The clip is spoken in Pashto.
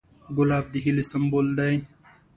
ګلاب د هیلې سمبول دی.